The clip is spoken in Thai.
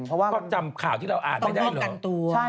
เป็นนักมวยกะเทยแต่งหญิงหมดเลย